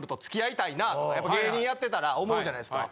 芸人やってたら思うじゃないですか。